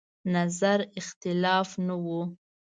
نظر اختلاف نه و.